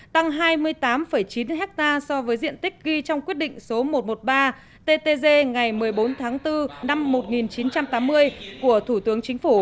tăng hai mươi tám chín ha so với diện tích ghi trong quyết định số một trăm một mươi ba